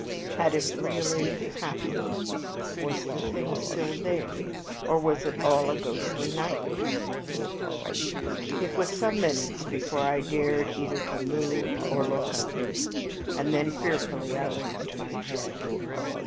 Had it really happened, was the thing still there, or was it all a ghastly nightmare? It was some minutes before I dared either to move or look up, and then fearfully I raised my head.